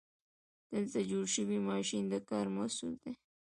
دلته جوړ شوی ماشین د کار محصول دی.